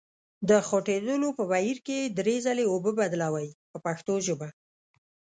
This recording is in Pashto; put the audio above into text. د خوټېدلو په بهیر کې یې درې ځلې اوبه بدلوئ په پښتو ژبه.